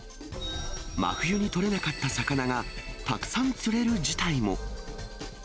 真冬に取れなかった魚がたくさん釣れる事態も。